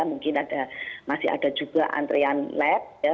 mungkin masih ada juga antrian lab ya